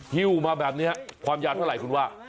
ฮิ้วมาแบบนี้ความยาวเท่าไหร่คุณว่า